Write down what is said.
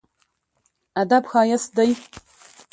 ادب ښايست دی.